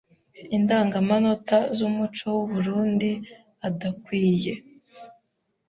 Indangamanota z’umuco w’u Burunndi adakwiye,